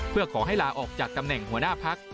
เพื่อขอให้ลาออกจากตำแหน่งหัวหน้าพัก